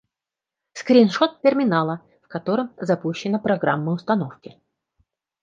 Скриншот терминала, в котором запущена программа установки